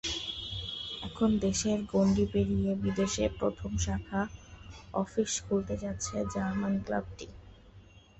এখন দেশের গণ্ডি পেরিয়ে বিদেশে প্রথম শাখা অফিস খুলতে যাচ্ছে জার্মান ক্লাবটি।